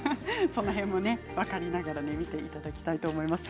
その辺も分かりながら見ていただきたいと思います。